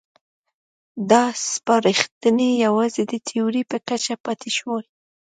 دا سپارښتنې یوازې د تیورۍ په کچه پاتې شوې.